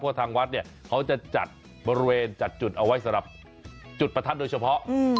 ทางวัดเนี่ยเขาจะจัดบริเวณจัดจุดเอาไว้สำหรับจุดประทัดโดยเฉพาะ